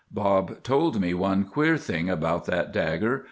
Bob told me one queer thing about that dagger.